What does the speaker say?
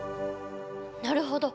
なるほど。